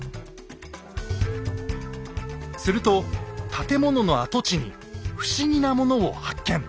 すると建物の跡地に不思議なものを発見。